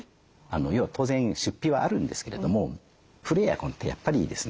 要は当然出費はあるんですけれども古いエアコンってやっぱりですね